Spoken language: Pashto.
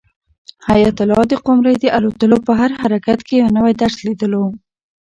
حیات الله د قمرۍ د الوتلو په هر حرکت کې یو نوی درس لیدلو.